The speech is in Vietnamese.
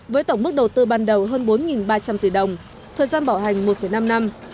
với tổng mức đầu tư ban đầu hơn bốn ba trăm linh tỷ đồng thời gian bảo hành một năm năm